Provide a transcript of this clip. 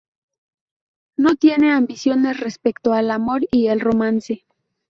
No tiene ambiciones respecto al amor y el romance.